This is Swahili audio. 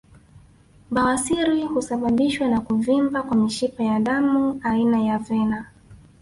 Bawasiri husababishwa na kuvimba kwa mishipa ya damu aina ya vena